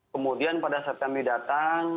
kemudian pada saat kami datang